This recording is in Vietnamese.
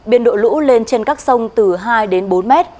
biên độ lũ lên trên các sông từ hai đến bốn mét